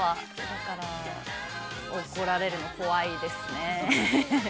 だから怒られるの怖いですね。